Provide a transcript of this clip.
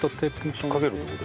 引っ掛けるって事？